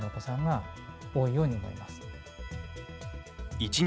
一日